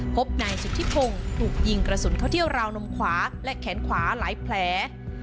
พบนายสุธิพงศ์ถูกยิงกระสุนเข้าเที่ยวราวนมขวาและแขนขวาหลายแผล